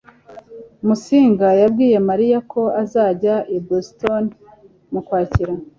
musinga yabwiye mariya ko azajya i boston mu kwakira